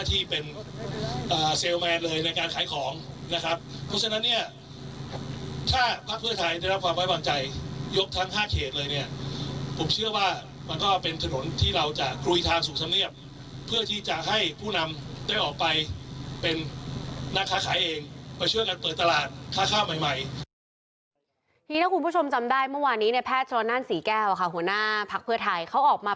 ที่นักคุณผู้ชมจำได้เมื่อวานี้เนี่ยแฟสชัวร์นั่นสี่แก้วค่ะหัวหน้าภักษ์เพื่อไทยเขาออกมา